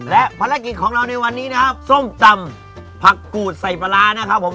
และภารกิจของเราในวันนี้นะครับส้มตำผักกูดใส่ปลาร้านะครับผม